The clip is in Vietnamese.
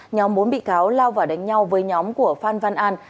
nhóm bốn bị cáo lao vào đánh nhau với nhóm của phan văn an